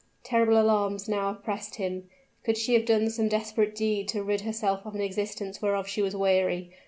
Terrible alarms now oppressed him. Could she have done some desperate deed to rid herself of an existence whereof she was weary?